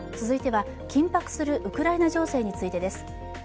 続いては、緊迫するウクライナ情勢についてです。